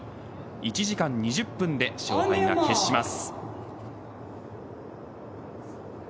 １時間２０分で勝敗が決します。